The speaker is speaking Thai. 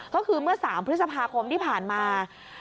ก็คือเมื่อ๓พฤษภาคมที่ผ่านมา